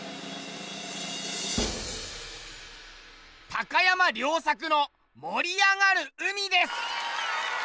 高山良策の「盛りあがる海」です。